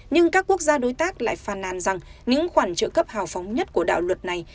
nhưng các quốc gia đối tác lại phàn nàn rằng những khoản trợ cấp hào phóng nhất của đạo luật này